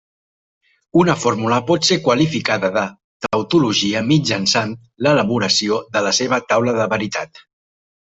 Una fórmula pot ser qualificada de tautologia mitjançant l'elaboració de la seva taula de veritat.